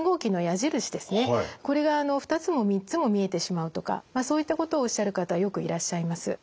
これが２つも３つも見えてしまうとかそういったことをおっしゃる方よくいらっしゃいます。